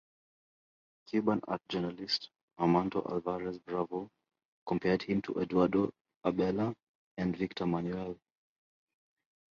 Cuban art journalist Armando Alvarez Bravo compared him to Eduardo Abela and Victor Manuel.